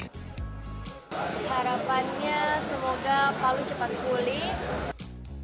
harapannya semoga palu cepat pulih